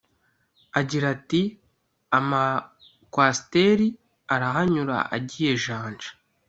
Agira ati “Ama-Coaster arahanyura agiye Janja